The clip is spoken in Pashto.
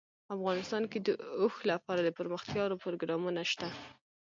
افغانستان کې د اوښ لپاره دپرمختیا پروګرامونه شته.